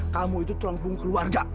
kamu itu tulang bunga keluarga